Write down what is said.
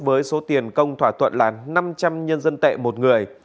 với số tiền công thỏa thuận là năm trăm linh nhân dân tệ một người